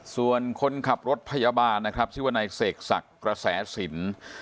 ส่วนคนขับรถพยาบาลชีวะในเศกสักกระแสสิน